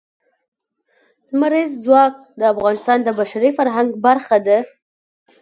لمریز ځواک د افغانستان د بشري فرهنګ برخه ده.